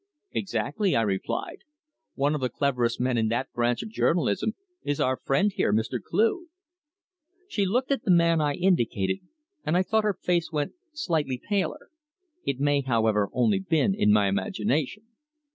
"Exactly," I replied. "One of the cleverest men in that branch of journalism is our friend here, Mr. Cleugh." She looked at the man I indicated, and I thought her face went slightly paler. It may, however, only have been in my imagination.